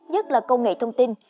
nhất là công nghệ thông tin